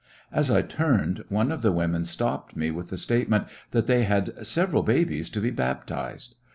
As I turned, one of the women stopped me with the statement that they had several babies to be baptized.